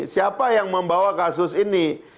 siapa yang membawa kasus ini